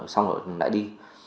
xong rồi lại đi